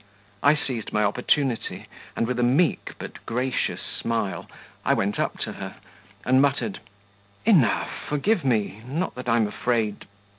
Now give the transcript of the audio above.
I seized my opportunity and with a meek but gracious smile, I went up to her, and muttered 'Enough, forgive me, not that I'm afraid